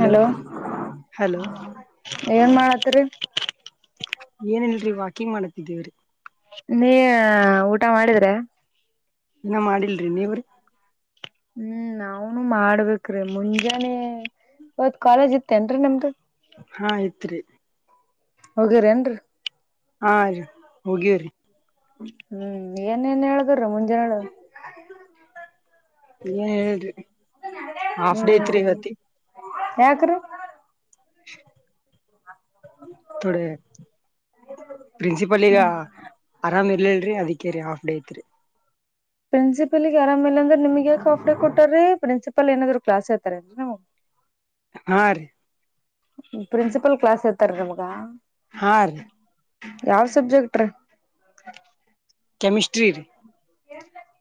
Hello ಏನ್ ಮಾಡತ್ರಿ ಏನಲ್ರಿ ವ ವಾಕಿಂಗ ಮಾಡತಿದ್ದೇವ್ರೀ ನೀ ಊಟ ಮಾಡಿದ್ರೆ ಏನ ಮಾಡಿಲ್ರಿ ನೀವ್ರಿ ಹ್ಮ್ ನಾವನು ಮಾಡ್ಬೇಕ್ರೀ ಮುಂಜಾನೆ ಇವತ್ ಕಾಲೇಜ್ ಇತ್ತೇನ್ರರಿ ನಮ್ದ ಹಾ ಯತ್ರಿ ಹಗರ ಏನ್ೀ ಹಾೀ ಹೋಗ್ಯ್ರರಿ ಹ್ಮ್ ಏನೇನ್ ಹೇಳುದ್ರ ಮುಂಜಾನ ಹೇಳ ನೀ ಹಾಫ ೇ ೀತಿ ಯಾಕರು ಹ ೋಡೆ ಪ್ರಿನ್ಸಿಪಲ್ ಈಗ ಆರಾಮ ಇಲ್ಲ ಅದಕ್ಕೆ ರ ಹಾಫ್ ಡೇ ಐತ್ರಿ ಪ್ರಿನ್ಸಿಪಲ್ಗೆ ಆರಾಮ ೇಲೆ ಅಂದ್ರೆ ನಿಮಗೆ ಕಾಫಡೆ ಕೊಟ್ಟ್ರೀ ಪ್ರಿನ್ಸಿಪಲ್ ಪಪ್ಪಲ್ಲಿ ಏನಾದ್ರು ಕ್ಲಾಸ್ ಇರ್ತಾರೆ ಅಂದ್ರೆ ನಾವು ಹಾ ರೀ ಪ್ರಿನ್ಸಿಪಲ್ ಕ್ಲಾಸ್ ಹರ್ತಾರ ನಮ್ಗ ಹಾ ರೀ ಯಾವ ಸಬ್ಜೆಕ್ಟ [unintelligible] ಕೆಮಿಸ್ರ [inaudible]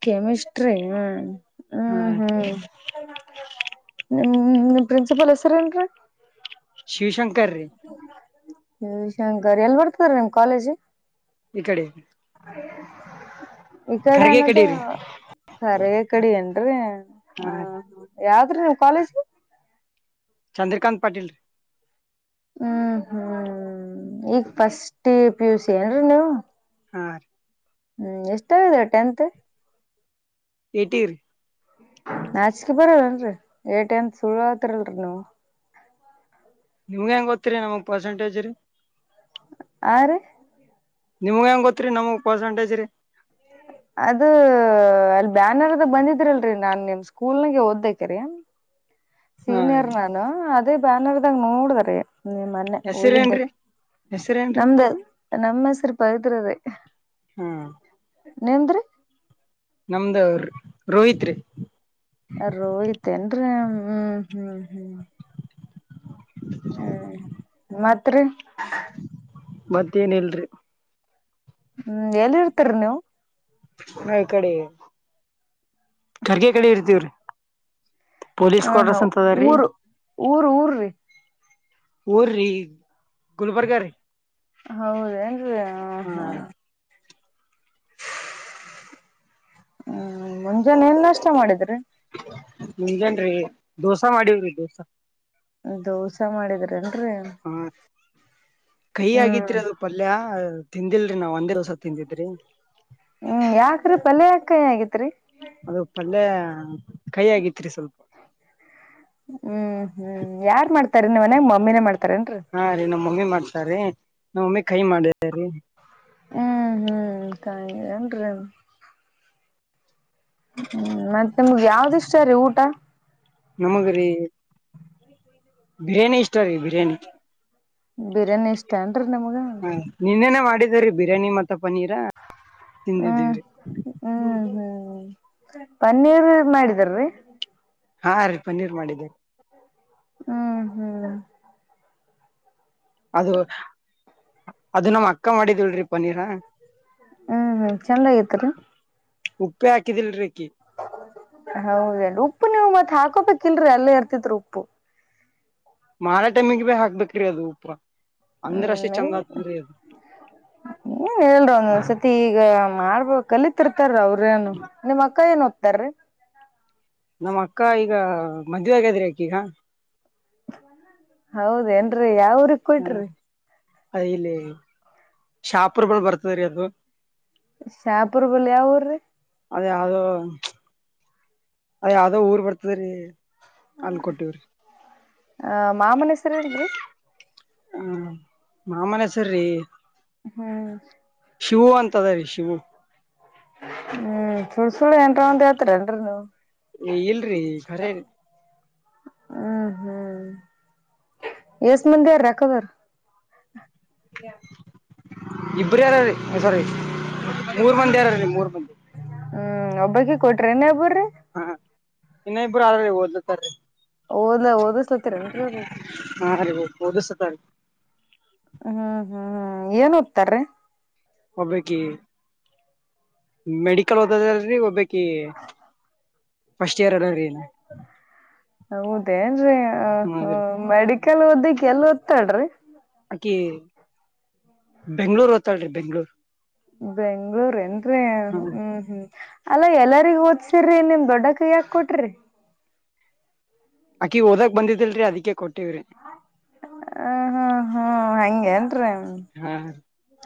ಕೆಮಿಿಸ್ಟ್ರಿ ಹ ಹಾ ಹ್ಮ್ ರೀ ಹ್ಮ್ ಹ್ಮ ನಿಮ್ ಪ್ರಿನ್ಸಿಪಾಲ್ ಹೆಸರೇಏನ್ರಿೀ ಶಿವಶಂಕರ್ ರೀ ಹ ಶಂಕರ್ ಎಲ್ಲಿ ಬರ್ತಾರ ನಿಮ್ ಕಾಲೇಜ್ ಇ ಕಡೆ ಹ ಈ ಕಡೆ ಖರ್ಗೆ ಅನ್ನದೇ ರೀ ಕರೆಯ ಕಡೆ ನ್್ರೀ ಹಾ ಹ ರೀ ಯಾ ಕಾಲೇಜ್ ಚಂದ್ರಕಾತ್ ಪಾಟೀಲ್ ಹ್ಮ್ ಹ್ಮ್ ಈಗ ಫಸ್ಟ್ ಪ ಯುಸ ಏನ್ರೀ ನೀವು ಹ ಹ್ಮ್ ಎಷ್ಟಗಿದ್ರ ಟೆಂತ್ ಏಟಿ ರ್ ನಾಚಿಕೆ ಬರಲ್ಲಲ್ರರಿ ಏಟ ಅಂತ ಸುಳ್ ಆತಿರಲ್ರರಿನು ನಿವ್ ಹೆಂಗ ಗೊತ್ತಿರಿ ನಮಗ್ ಪರ್ಸೆಂಟೇಜರಿ ಹಾ ರಿ ನಿಮ್ಗ ಹೆಂಗ್ ಗೊತ್ರಿ ನಮಗ್ ಪರ್ಸೆಂಟೇಜ್ ರೀ ಅದ ಅಲ್ ಬ್ಯಾನರ್ ಅದ ಬಂದಿದ್ರಿಲ್ರಿ ನಾನ್ ನಿಮ್ ಸ್ಕೂಲ್ ಹಾಗೆ ಓದಕೇರಿ ಹಾ ಸೀನಿಯರ್ ರೀ ನಾನು ಅ ಅದೇ ಬ್ಯಾನರ್ದಾಗ ನೋಡಿದ್ರ ಮೊನ್ನೆ ಹೋಗಿದ್ದ ಹೆಸರೇನ್ರಿ ಹೆಸರೇನ್ರಿ ನಮ್ದ ನಮ್ಮ ಹೆಸರು ಪವಿತ್ರ ರೀ ಹಾ ನೀಮ್ಡರಿ ನಮ್ದ ರೋಹಿತ್ ರೀ. ರೋಹಿತೇನ್. ಅ ಹ್ಮ್ ಹ್ಮ್ ಹ್ಮ್. ಹ್ಮ್ ಮಾತ್ರ. ರೀ ಮತ್ತೇನ್ ಇಲ್ರರಿ. ಹ್ಮ್ ಎಲ್ಲಿ ಇರ್ತರಿ ನೀವು. ನ ಈ ಕಡೆ ಖರ್ಗೆ ಕಡೆ ಇರ್ತವ್ರೀ. ಹ ಹಾ ಊರ್ ಊರ್ ಊರೀ. ಊರ ರೀ. ಹೌದೇನ್ರಿ ಹ ಹಾ. ಹ್ಮ್ ಮುಂಜಾನೆ ಏನ್ಷ್ಟ ಮಾಡಿದ್ರಿ. ಹಗೇನ್ರಿ ದೋಸಾ ಮಾಡೀವ್ರಿ ದೋಸಾ. ಹಾ ದೋಸೆ ಮಾಡಿದ್ರ ನ್ರರಿ. ಕೈ ಆಗಿತ್ರಿ ಅದು ಪಲ್ಯ. ತಿಂದಿಲ್ರಿ ನಾವ್ ಒಂದೇ ದೋಸ ತಿಂದಿದ್ರಿ. ಹ್ಮ್ ಯಾಕ್ರೀ ಪಲ್ ಯಕಾಯಿ ಆಗೇತ್ರಿ. ಅದು ಪಲ್ಲೆ ಕೈ ಆಗಿತ್ತು. ಹ್ಮ್ ಹ್ಮ್ ಯಾರ್ ಮಾಡ್ತಾರೆ ನೀವ. ಮಮ್ಮಿನೇ ಮಾಡ್ತಾರೆ. ಮಾಡ್ತಾರೆ ಹಾ ರೀ ನಮ್ ಮಮ್ಮಿ ಮಾಡ್ತಾರೀ ನಮ್ಮ್ ಮಮ್ಮಿ ಕೈ ಮಾಡಿದ ರೀ. ಹ್ಮ್ ಹ್ಮ್ ಕನ್. ಹ್ಮ್ ಮತ್ತೆ ನಿಮ್ಗ್ ಯಾವ್ದ ಇಷ್ಟ ರೀ ಊಟ. ನಮಗ್ರಿ ಬಿರಿಯಾನಿ ಇಷ್ಟ. ಬಿರಿಯಾನಿ ಬಿರಿಯಾನಿ ಇಷ್ಟ ಏನ್ರಿ ನಿಮಗ ನಿನ್ನೆ ಮಾಡ. ರೀ ಬಿರಿಯಾನಿ. [inaudible] ತಿಂದಿದ್ದೇವ್ರಿ. ಹ್ಮ ಪನ್ನೀರ್ ಮಾಡಿದಾರೀ ಹಾ ರೀ ಪನ್ನೀರ್ ಮಾಡಿದ್ದೇರಿ. ಹ್ಮ್ ಹ್ಮ್. ಅದು ಅದು ನಮ್ಮ್ ಅಕ್ಕ ಮಾಡಿದ. ಹ್ಮ್ ಹ್ಮ್ ಚಂದಗಿತ್ರಿ ಉಪ್ಪಿ ಹಾಕಿದಿಲ್ರೀ ಅಕಿ ಹೌದೇ ಉಪ್ಪು ನೀವು ಮತ್ ಹಾಕೋಬೇಕಕ ಲ್ರರಿ ಅಲ್ಲ ಇರ್ತಿತ್ ಉಪ್ಪು ಮಾರಾ ಟೈಮಿಗೆ ಭ ಹಾಕ್ಬೇಕ್ರೀ ಅದು ಉಪರ ಹ್ಮ್ ನ್ ಹೇಳರ ಒಂದ ಸತಿ ಈಗ ಮಾಡ್ಬೋು ಕಲಿತಿರ್ತಾರ ಅವ್ರೇಏನು ನಿಮ್ ಅಕ್ಕ ಏನು ತರ ನಮ್ಮ್ ಅಕ್ಕ ಈಗ ಮದ್ವೆ ಆಗಾದ್ರಿ ಅಕಿಗ ಹೌದ ಯಾವ್ರ ಕೊಟ್ರಿ ಅ ಇಲ್ಲಿ ಶಾಪರ್ಗಳುಳ ಬರ್ತದ್ರೀ ಅದು. ಶ್ಯಪುರ್ ಬಲ್ ಯಾವ ಊರ್ರೀ ಅದ ಯಾವ್ದೋ ಅದ ಯಾವದೋ ಊರ್ ಬರ್ತದೆ ರೀ ಅಲ್ಕೊಟ್ಟವ್ರಿ ಅ ಮಾಮನೇಶ್ವರ ಏಲ್ರಿ ಹ್ಮ ಮಾಮನ್ ಹೆಸ್ರ್ ಹ್ಮ್. ಶಿವವು ಅಂತದ ರೀ ಶಿವು. ಹ್ಮ್ ಸುಳ್ ಸುಳ್ಳ ಏನ್ರ ಒಂದು ಯತ್ರರಲ್ರಿನು. ಏ ಇಲ್ರಿ ಖರೇರಿ. ಹ್ಮ್ ಹ್ಮ್ ಎಷ್ಟ ಮಂದಿ ಯಾರ ರಕದಾರ. ಇಬರು ಯಾರಾರ ಸಾರಿ. ಮೂರ್ ಮಂದಿ ಯಾರ ರ ಮೂರ್ ಮಂದಿ. ಹ್ಮ್ ಒಬ್ಬಕ ಕೊಟ್ರೆ ಇ ಒಬ್ಬರು. ಹಾ ಇನ್ನ ಇಬ್ಬರು ಆದ್ರರಿ ಓದಲತಾರೀ. ಓದ ಹಾ ಅರಿ ಓದು ಸತ. ಹ್ಮ್ ಹ್ಮ್ ಏನ್ ಒತ್ತಾರಿ ಒಬ್ಲ್ಯಾಕಿ ಮೆಡಿಕಲ್ ಓದದಲ್ರಿ ಒಬ್ಬೇಕಿ. ಫಸ್ಟ್ ಇಯರ್ ಅದಾದ್ರಿ ಇನ್ನ ಹೌದೇನ್ರಿ ಹೊ ಹೊ ಹ್ರೀ ಮೆಡಿ ಕೆಲ್ ಓದ್ದಕ್ಕೆ ಎಲ್ ಓದ್ತಾಡ್ರಿ. ಬಕಿ ಬೆಂಗ್ಳೂರು ಹತಾಳ ರೀ ಬೆಂಗಳೂರು. ಬೆಂಗ್ಳೂರ್ ಎಏನ್್ರ ಹ್ಮ್ ಹ್ಮ್. ಅಲ್ಲಾ ಎಲ್ಲರಿಗ ಓದ್ಸಿರ್ರಿ ನಿಮ್ ದೊಡ್ಡ ಕೈ್ಯಾಾಕ್ ಕೊಟ್ರಿ. ಅಕಿ ಹಓದಾಗಕ್ ಬಂದಿದಿಲ್ರರಿ ಅದಕ್ಕೆ ಕೊಟ್ಟ. ವರ. ಹ ಹಾ ಹಾ ಯಾಕ. ಹಂಗೇನ್ರೀ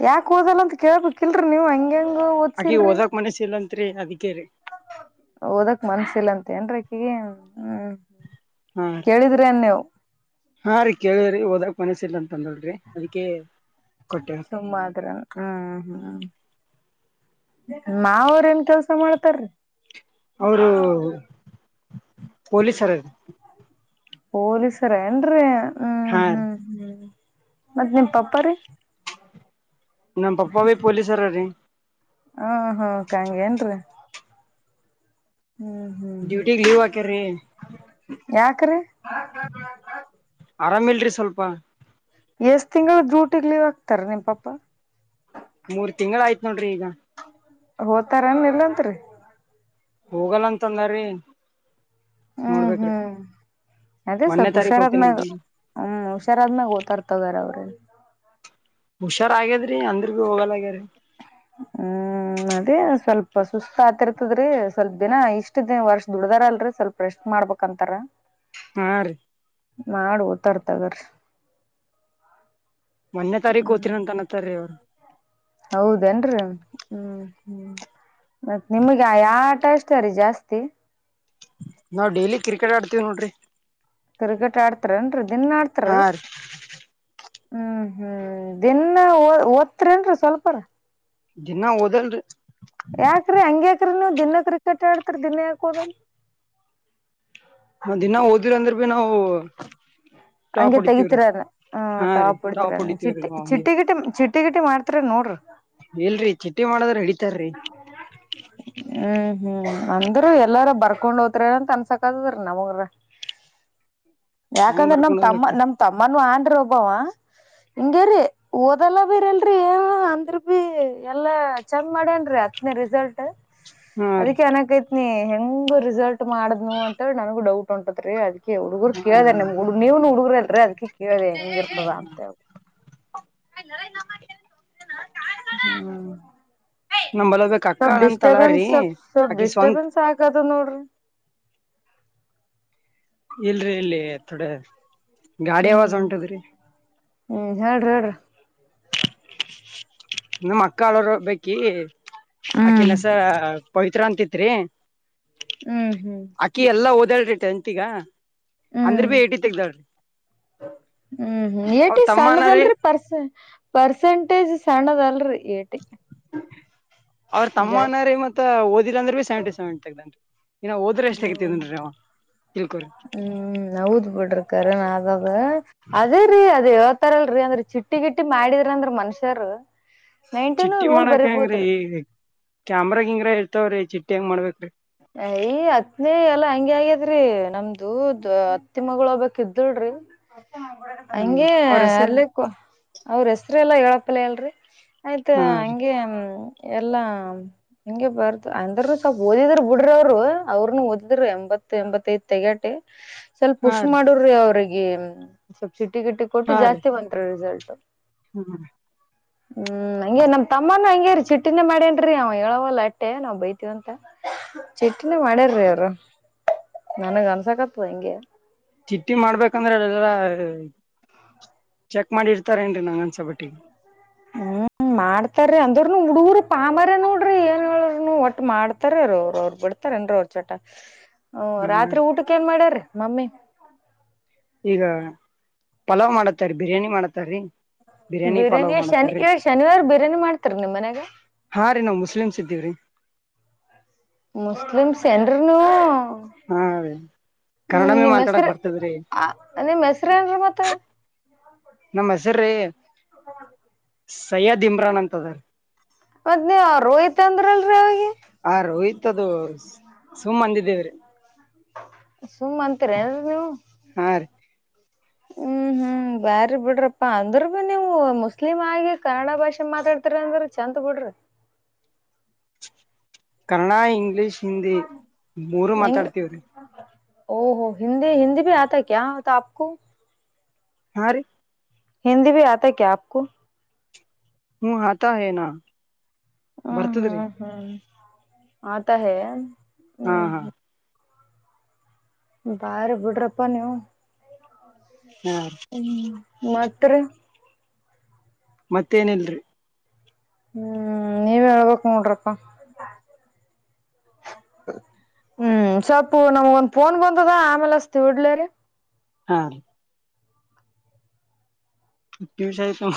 ಹ ಕೂದಲ್ಲ ಅಂತ ಕೇಳ್ಬೇಕಕ್ಿಲ್ರರಿ ನೀವು್ ಹಂಗೆಂಗ. ಅಕಿ ಹಓದಕ್ ಮನಸ ಇಲ್ಲಂತ ಅತ್ತರೆ ಅಧಿಕ್ಯ ರ ಓದಕ್ ಮನ್ಸಿಲ್ಲಂತ ಏನ್ರಕಗ ಹ್ಮ್ ಹಾ ಕೇಳಿದ್ರೆನ್ ನೀವು ಕೇಳಿದ್ರಿ ಓದಕ್ ಮನಸ್ಸ ಇಿಲ್ಲ ಅಂತ ಅಂದಲ್ಿ ಅದಕ್ಕೆ ಕೊಟ್ಟೇವ್ರಿ ತುಂಬ ಅ್ರಲ್ಲ ಹ್ಮ್ ಹ್ಮ್ ಮಾವ್ರೇನ್ ಕೆಲ್ಸ ಮಾಡ್ತಾರೀ ಅವರು ಪೊಲೀಸ್ರ ಪಲೀಸರ ಏನ್ರಿೀ ಹಾ ಮತ್ತತ್ ನಿಮ್ ಪಪ್ಪ ರೀ ನಮ್ಮ ಪಪ್ಪಾವೇ ಪೊಲೀಸಾರ ರೀ ಹಾ ಹಾ ಕಂಗಗೆ ಏನ್ರಿ ಡ್ಯೂಟಿ ಲೀವ್ ಆಾಕ ರೀ ಯಾಕ್ರೀ ಆರಾಮ ಅಲ್ರಿ ಸ್ವಲ್ಪ ಎಷ್ಟ್ ತಿಂಗಳು ಡ್ಯೂಟಿಗ್ ಲೀವ್ ಆಕ್ತಾರ ನಿಮ್ ಪಾಪ ಮೂರ್ ತಿಂಗಳು ಆಯ್ತು ನೋಡ್ರಿ ಈಗ ಹಓತಾರನ್ ಇಲ್ಲಂತ್ರಿ ಹೋಗಲ್ಲ ಅಂತಂದ್ರೀ ಹ್ಮ್ ಹ್ಮ್ ಅದೇ ಮೊನ್ನೆ ಸ್ವಲ್ಪ ತಾರೀಕ್ ಹೋಗ್ತೇನ ಹುಷಾರಾದ್ಮ್ಯಾಗ ಅಂತ ಹ್ಮ್ ಹುಷಾರಾದ್ಮ್ಯಾಗ ಓತಾರ್ತಗಾರ ಅವ್ರು ಹ್ಮ ಹುಷಾರ್ ಆಗ್ಯದ್ರಿ ಅಂದ್ರ ಬಿ ಹೋಗಲ್ಗ್ಯಾರೀ ಹ್ಮ್ ಅದೇ ಸ್ವಲ್ಪ ಸುಸ್ತ ಆತಿರ್ತದ್ರಿ ಸ್ವಲ್ಪ ದಿನ ಇಷ್ಟ ದಿನ ವರ್ಷ ದುಡ್ದಾರಲ್ರರಿ ಸ್ವಲ್ಪ ರೆಷ್ಟಟ್ ಮಾಡ್ಬಂತಾರ ಹ ನಾ ತರ್ತದರ ಒನ್ನೇ ತಾರೀಕು ಹಓ್ತರಿ ಅಂತ ಅನತ್ತಾರೀ ಅವ್ರು ಹೌದೇನ್ರಿ ಹ್ಮ್ ಹ್ಮ್ ಮತ್ತತ್ ನಿಮಗ ಯಾ ಊಟ ಇಷ್ಟತಾರಿೀ ಜಾಸ್ತಿ ನಾವು ಡೈಲಿ ಕ್ರಿಕೆಟ್ ಆಡ್ವಿ. ನೋಡ್ರಿ. ಕ್ರಿಕೆಟ್ ಆಡ್ತಾರನ್ ರೀ. ಇದನ್ ಹಾ ಮಾಡಡ್ತಾರೀ ರೀ ಹ್ಮ್ ಹ್ಮ್ ದಿನಾ ಒತ್ರಿೇನ್ರಿೀ ಸ್ವಲ್ಪರ ದಿನ ಓದಲ್ರಿ ್ರ ನೀವು ದಿನ ಕ್ರಿಕೆಟ್ ಹೇಳ್ತರಿ ದಿನ ಯಾಕೋದಲ್ ನ್ ದಿನ ಓದಿರ ಅಂದ್ರೆ ಭೀ ನಾವವು ಹಂಗೆ ತೆಗತಿೀರ ಹ ಹಾ ರೀ ಟಾಪ್ ಹಡ್ತಿೀರ ಹೊಡಿತೀವ್ರಿ ಚಿಟ್ಟಿ ನಾವ್ ಹಂಗೆ ಚಿಟ್ಟಿ ಗಿಟಿ ಚಿಟ್ಟಿ ಗಿಟಿ ಮಾಡ್ತರ ನೋಡ್ರಿ ಮಾಡದರ ಇಿ ಹ್ಮ್ ಹ್ಮ್ ಅಂದ್ರೂ ಎಲ್ಲಾರ ಬರ್ಕೊಂಡ್ ಹೋತ್ರರಿ ಅಂತ ಅನ್ಸಕದದ್ರ ನಮಗ್ರ ಹಂಗ್ ಯಾಕಂದ್ರ ನಮ ಬರ್ಕೊಂಡ್ ತಮ್ಮ ಹೋಗ್ಬೇಕ್ರಿ ನಮ ತಮ್ಮನುೂ ಆನ್ ಒಬ್ಬಾವ ಹಿಂಗರಿ ಓದಲ್ಲ ಬಿೀರಲ್ರರಿ ಏ ಅಂದ್ರ ಭ ಎಲ್ಲಾ ಚೆಂದ ಮಾಡೇನ್ರಿ ಹತ್ನೇ ರಿಸಲ್ಟ್ ಹಾ ರೀ ಅದಕ್ಕೆನಕ್ಕೆ ನೀ ಹೆಂಗ ರಿಸಲ್ಟ್ ಮಾಡ್ನು ಅಂತೇಳಿ ನನಗು ಡೌಟ್ ಉಂಟತ್ ರೀ ಅದಕ್ಕೆ ಅವಗ ಕೇಳ್ದ್ರ ಹ್ಮ ನಿಮ್ ನೀವ್ ಹುಗ್ರ ಅದಕ್ಕೆ ಇರದ್ ಹೆಂಗಿರ್ತದ ಅಂತ ಹೇಬಿಟ್ಟು [inaudible] ಹ್ಮ್ ನಮ್ಮಲಬೇಕ ಸಬ್ ಅಕ್ಕಾಳ ಡಿಸ್ಟಬನ್ಸ್ ಅಂತಳಾರಿ ಸ ಸಬ್ ಆಕಿ ಸ್ವಂತ ಡಿಸ್ಟಬನ್ಸ್ ಆಗದ ನೋಡ್ರಿ ಇಲ್ರಿ ಇಲ್ಲಿ ಥೋಡೆ ಗಾಡಿ ಆವಾಜ ಹ್ಮ್ ಉಂಟದ್ರೀ ಹ್ಮ್ ಹೇಳ್ರಿ ಹೇಳ್ರಿ ಅಕ್ಕಳರು ಬೇಕಿ ಆಕೆ ಹ್ಮ್ ನಸ ಪವಿತ್ರ ಅಂತಿತ್ತು ತತ್ರ್ರೇ ಹ್ಮ್ ಹ್ಮ್ ಇದಲ್ರೀ ಅಂತೀಗ ಹ್ಮ್ ಹ್ಮ್ ಅವ್ರ ಏಟಿ ತಮ್ಮನ ರೀ ಸಣ್ಣದಲ್ರಿ ಪರ್ಸ ಪರ್ಸೆಂಟೇಜ್ ಸಣ್ಣದ ಅಲ್ರಿ ಏಟಿ ಅವ್ರ ತಮ್ಮ ಜಾಸ್ತಿ ಅನ್ರೀ ಮತ್ತತ್ ಓದಿಲ್ಲಂದ್ರೆ ಬಿೀ ಸೆವೆಂಟಿ ಸೆವೆಂಟಿ ತಗ್ದೇನ್ರಿ ಹ್ಮ್ ತಿಳ್ಕೊರಿ ಹ್ಮ್ ನ ದ ಬಿಟ್ಟರುಕಾರೆ ನಾ ಅಾದೆ ಅದೇ ರೀ ಅದ ಯ ತಾರಲ್ರಿ ಅಂದ್ರೆ ಚಿಟ್ಟಿ ಗಿಟ್ಟಿ ಮಾಡಿದ್ರ ಅಂದ್ರ ಮನುಷ್ಯರು ನೈನ್ಟೀನು ಚಿಟ್ಟಿ ನೋಡ್ ಮಾಡಾಕಂಗ್ರಿ ಬರಿಬೋದ್ರಿ ಕ್ಯಾಮ್ರಾಗ ಹಿಂಗ್ರ ಹೇಳ್ತವ್ರಿ ಚಿಟ್ಟ ಹಂಗ ಮಾಡ್ಬೇಕು ರೀ ಅಯ ಹತ್ನೇ ಎಲ್ಲಾ ಹಂಗಗೆ ಆಗ್ಯದ್ರಿ ನಮ್ದುದ ಅತ್ತಿ ಮಗಳಬಕ್ ಇದಳ್ರಿ ಹ್ಮ್ ಹಂಗೆ ಅವ್ರ ಹೆಸರು ಅಲ್ಲಕ್ಕ ಅವ್ರ ಎಷ್ಟ ಎಲ್ಲಾ ಹೇಳಪ್ಪಲ್ಲ ಅಲ್ರರಿ ಆಯ್ತಾ ಹಾ ರೀ ಹಂಗೆ ಎಲ್ಲಾ ಹಿಂಗೆ ಬರ್ತ ಅಂದ್ರ ಸ್ವಲ್ ಓದಿದ್ರ ಬಿಡ್ರ ಅವ್ರು ಅವ್ರನು ಓದಿದ್ರು ಎಂಬತ್ ಎಂಬತ್ತ ಐದ್ ತೆಗಾಟಿ ಸ್ವಲ್ಪ ಹಾ ಹುಷ್ ರೀ ಮಾಡ್ರಿ ಅವ್ರಿಗೆ [inaudible] ಸಿಿಟ್ಟಿ ಗಿಟ್ಟಿ ಕೊಟ್ಟು ಹಾ ರೀ ಜಾಸ್ತಿ ಬಂತಾರ ರಿಸಲ್ಟ್ ಹ್ಮ್ ಹ್ಮ್ ಹ್ಮ್ ಹಗೆ ನಮ್ ತಮ್ಮನ ಹಗೆ ಚುಟ್ಟಿನ ಮಾಡೇನ್ರೀ ಅವ ಹೇಳವಲ್ಲ ಅಟ್ಟೆ ನಾವವು ಬೈತೀವ ಅಂತ ಚಟ್ನಿ ಮಾಡ್ಯಾರ್ರೀ ಅವರು ನನಗ ಅನ್ಸಕತ್ ಹೆಂಗೆ ಚಿಟ್ಟಿ ಮಾಡ್ಬೇಕಂದ್ರೆ ಅಲ್ಲಾ ಚೆಕ್ ಮಾಡಿ ಇರ್ತಾರೇಏನ್ರಿ ನಂಗನ್ ಚಪಟ್ಟಿ ಹ್ಮ್ ಮಾಡ್ತಾರೀ ಅಂದ್ರನು ಹುಡ್ಗರು ಪಾಂಬಾರ ನೋಡ್ರಿ ಏನ್ ಹೇಳನು ಒಟ್ಟ ಮಾಡ್ತಾರ ಅವ್ರ ಅವರು ಬಿಡ್ತಾರ ಏನ್ರ ಅವ್ರ ಚೋಟ ಹ ಹಾ ರಾತ್ರಿ ರೀ ಊಟಕ್ಕೆ ಏನ್ ಮಾಡ್ಯಾರ ಮಮ್ಮಿ ಈಗ ಪಲಾವ್ ಮಾಡತ್ತಾರ ಬಿರಿ್ಯಾನಿ ಮಾಡತ್ತಾರೀ ಬಿರಿಯಾನಿ ಎಷ್ಟ ಶನಿ ಏಳ್ ಶನಿವಾರ ಬಿರಿಯಾನಿ ಮಾಡ್ತಾರ ನಿಮ ಮನ್ಯಾಗ ಹಾ ರೀ ನಾವ್ ಮುಸ್ಲಿಮ್ಸ್ ಇದ್ದೀವ್ರಿ ಮುಸ್ಲಿಮ್ಸ್ ಎಏನ್ ಹ್ಮ ಹಾ ರೀ ಕನ್ನಡಮೇ ನಿಮ್ಮ್ ಮಾತಾಡಕ್ ಹೆಸರು ಬರ್ತದ್ರಿ ನಿಮ್ಮ್ ಹೆಸರು ಏನ್ರಿ ಮತ್ತ ನಮ್ಮ ಹೆಸರೀ ಹ ಸೈಯದ್ ಇಮ್ರಾನ್ ಅಂತದರ್ ಮತ್ತ್ ನೀವ ರೋಯ್ತ್ ಅಂದ್ರಲ್ರರಿ ಅವಿಗೆ ಹಾ ರೋಹಿತ್ ಮತ್ತದು ಸುಮ್ಮ್ ಅಂದಿದ್ದೇವ್ರೀ ಸುಮ್ಮತ್ರಿಏರಿ [inaudible] ಹಾ ರೀ ಹ್ಮ್ ಹ್ಮ್ ಬಾರಿ ಬಿಡ್ರಪ್ಪಾ ಅಂದ್ರ ಬಿ ನೀವು ಮುಸ್ಲಿಮ್ ಆಗಿ ಕನ್ನಡ ಭಾಷೆ ಮಾತಾಡ್ತರಿ ಅಂದ್ರ ಚೆಂದ ಬಿಡ್ರಿ. ಕನ್ನ ಇಂಗ್ಲಿಷ್, ಹಿಂದಿ ಮೂರು ಮಾತಾಡ್ತವ್ರಿ ಓಹೋ ಹಿಂದಿ ಹಿಂದಿ ಬಿ ಆತ ಕ್ಯಾ ಹೋತಾ ಆಪು. ಕೂ ಹಾ ರೀ ಹಿಂದಿ ಬಿ ಆತ ಕ್ಯಾಬ್ ಕೋ ಹು ಆತ ಹೆ ನ, ಹ್ಮ್ ಬರ್ತಿದೆ ಹ್ಮ್ ರೀ ಹ್ಮ್ ಆತ ಹೆ ಹಾ ಹಾ ಬಾರಿ ಬಿಡ್ರಪ್ಪಾ ನೀವು, ಹಾ ಹ್ಮ ಮಾತ್ರಿ ಮತ್ತೇನಿಲ್ರಿ ಹ್ಮ್ ನೀವು ಹೇಳೆ ಕಣ್ರಪ್ಪ, ಹ್ಮ್ ಸ್ವಪು ನಮ್ಗ ಒಂದ್ ಫೋನ್ ಬಂದದ ಆಮೇಲೆ ಅಸ್ತಿವಿ ಇಡ್ಲರಿ. ಹಾ ರಿ ‌ ಮತ್ತು ವಿಶೇಷ,